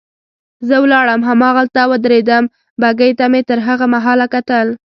زه ولاړم هماغلته ودرېدم، بګۍ ته مې تر هغه مهاله کتل.